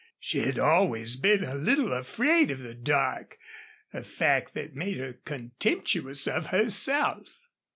She had always been a little afraid of the dark a fact that made her contemptuous of herself.